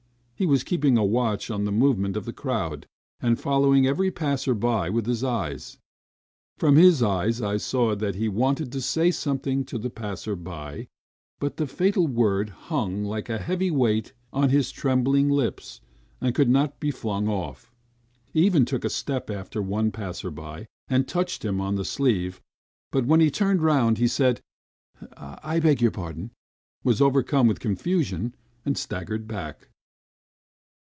He was keeping a watch on the movements of the crowd, and following every passer by with his eyes. ... From his eyes I saw that he wanted to say something to the passers by, but the fatal word hung like a heavy weight on his trembling lips and could not be flung off. He even took a step after one passer by and touched him on the sleeve, but when he turned round, he said, "I beg your pardon," was overcome with confusion, and staggered back.